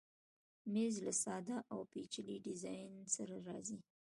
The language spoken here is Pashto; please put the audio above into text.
مېز له ساده او پیچلي ډیزاین سره راځي.